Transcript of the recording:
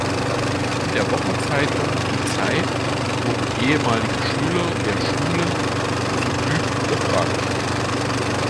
In der Wochenzeitung "Die Zeit" wurden ehemalige Schüler der Schule zu Bueb befragt.